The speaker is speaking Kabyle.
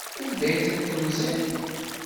Anda ay tent-temziḍ?